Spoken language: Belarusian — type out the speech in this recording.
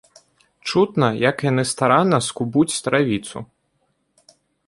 Чутна, як яны старанна скубуць травіцу.